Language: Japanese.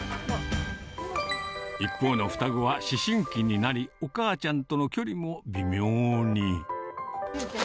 一方の双子は、思春期になり、お母ちゃんとの距離も微妙に。